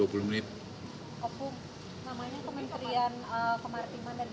kemudian ke maritim mana investasi